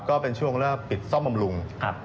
ก็เป็นช่วงเริ่มปิดซ่อมบำรุง